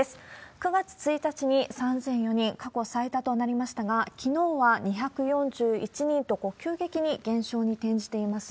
９月１日に３００４人、過去最多となりましたが、きのうは２４１人と、急激に減少に転じています。